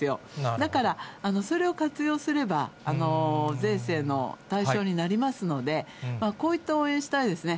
だから、それを活用すれば、税制の対象になりますので、こういった応援をしたいですね。